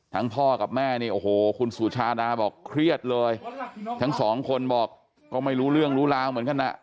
พ่อกับแม่นี่โอ้โหคุณสุชาดาบอกเครียดเลยทั้งสองคนบอกก็ไม่รู้เรื่องรู้ราวเหมือนกันอ่ะ